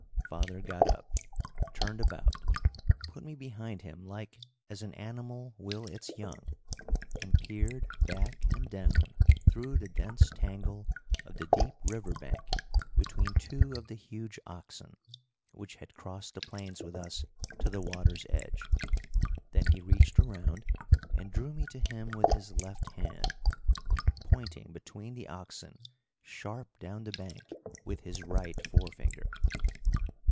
Father got up, turned about, put me behind him like, as an animal will its young, and peered back and down through the dense tangle of the deep river bank between two of the huge oxen which had crossed the plains with us to the water's edge; then he reached around and drew me to him with his left hand, pointing between the oxen sharp down the bank with his right forefinger.